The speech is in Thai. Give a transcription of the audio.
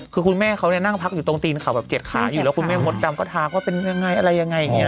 คือคุณแม่เขาเนี่ยนั่งพักอยู่ตรงตีนเขาแบบ๗ขาอยู่แล้วคุณแม่มดดำก็ทักว่าเป็นยังไงอะไรยังไงอย่างนี้